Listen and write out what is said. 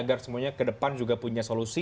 agar semuanya ke depan juga punya solusi